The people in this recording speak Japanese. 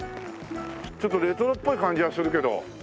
ちょっとレトロっぽい感じはするけど。